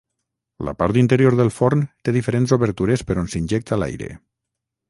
La part inferior del forn té diferents obertures per on s'injecta l'aire.